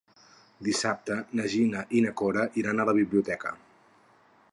Dissabte na Gina i na Cora iran a la biblioteca.